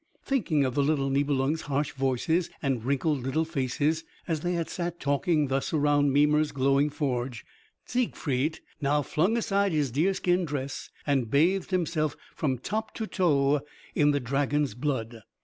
Thinking of the little Nibelungs' harsh voices and wrinkled little faces as they had sat talking thus around Mimer's glowing forge, Siegfried now flung aside his deerskin dress and bathed himself from top to toe in the dragon's blood.